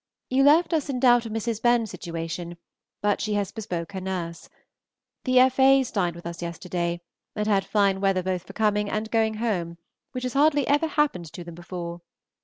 You left us in doubt of Mrs. Benn's situation, but she has bespoke her nurse. ... The F. A.'s dined with us yesterday, and had fine weather both for coming and going home, which has hardly ever happened to them before.